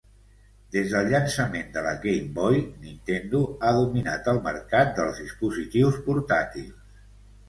Des del llançament de la Game Boy, Nintendo ha dominat el mercat dels dispositius portàtils.